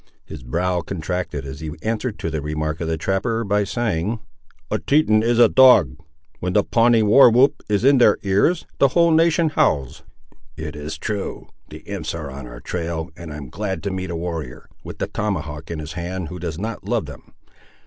His brow contracted, as he answered to the remark of the trapper by saying— "A Teton is a dog. When the Pawnee war whoop is in their ears, the whole nation howls." "It is true. The imps are on our trail, and I am glad to meet a warrior, with the tomahawk in his hand, who does not love them.